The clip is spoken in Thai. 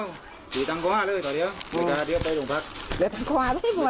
เกลียดหมดทิศจับกลุ่มก่อนแล้วก็เดียวให้หน่อย